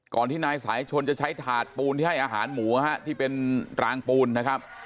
ที่นายสายชนจะใช้ถาดปูนที่ให้อาหารหมูที่เป็นรางปูนนะครับ